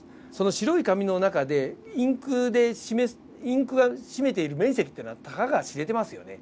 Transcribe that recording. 白い紙の中でインクが占めている面積っていうのはたかが知れてますよね。